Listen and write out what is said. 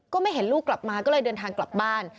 ไม่เห็นลูกกลับมาก็เลยเดินทางกลับบ้าน